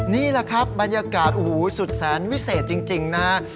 นี่แหละครับบรรยากาศโอ้โหสุดแสนวิเศษจริงนะฮะ